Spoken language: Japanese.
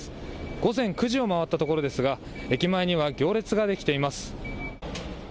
午前９時を回ったところですが、駅前には行列が出来ています。